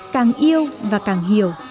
càng yêu và càng hiểu